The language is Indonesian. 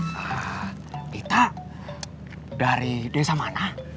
kita dari desa mana